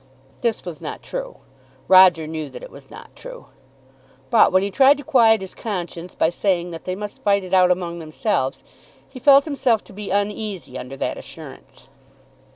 This was not true. Roger knew that it was not true. But when he tried to quiet his conscience by saying that they must fight it out among themselves, he felt himself to be uneasy under that assurance.